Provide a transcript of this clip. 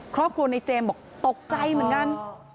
ครอบครัวในเจมส์บอกตกใจเหมือนกัน